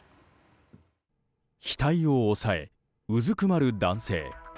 額を押さえ、うずくまる男性。